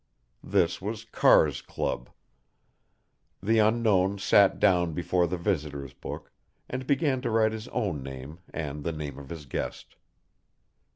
This was Carr's Club. The unknown sat down before the visitor's book, and began to write his own name and the name of his guest.